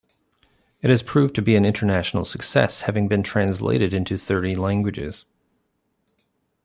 It has proved to be an international success, having been translated into thirty languages.